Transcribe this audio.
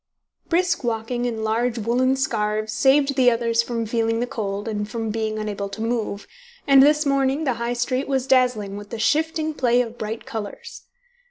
Brisk walking and large woollen scarves saved the others from feeling the cold and from being unable to move, and this morning the High Street was dazzling with the shifting play of bright colours.